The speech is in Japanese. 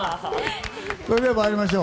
それでは、参りましょう。